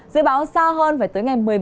dự báo xa hơn và tới ngày một mươi bảy